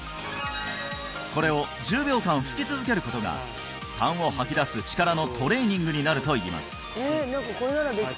これを１０秒間吹き続けることが痰を吐き出す力のトレーニングになるといいます